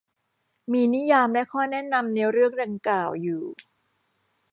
มีนิยามและข้อแนะนำในเรื่องดังกล่าวอยู่